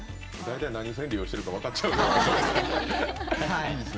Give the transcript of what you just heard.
何線を利用してるか分かっちゃうね。